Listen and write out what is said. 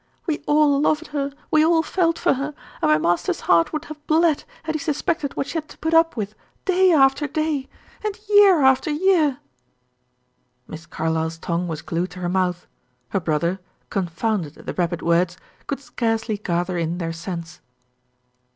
We all loved her, we all felt for her; and my master's heart would have bled had he suspected what she had to put up with day after day, and year after year." Miss Carlyle's tongue was glued to her mouth. Her brother, confounded at the rapid words, could scarcely gather in their sense.